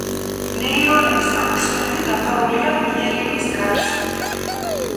ნეირონების აქსონები დაფარულია მიელინის გარსით.